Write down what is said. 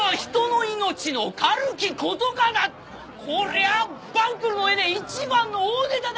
こりゃあ晩来の絵で一番の大ネタだ！